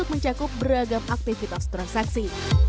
mencakup beragam aktivitas transaksi